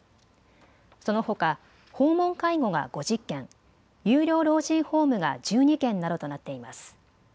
そのほか訪問介護が５０件、有料老人ホームが１２件などとなっています。